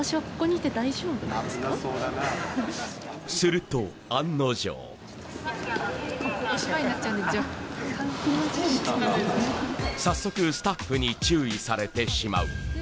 いつも早速スタッフに注意されてしまう